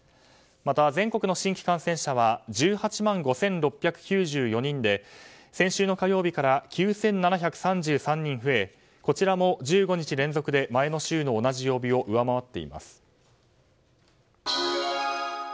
また、全国の新規感染者は１８万５６９４人で先週の火曜日から９７３３人増えこちらも１５日連続で前の週の同じ曜日を上回っています。